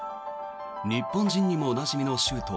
日本人にもおなじみの州都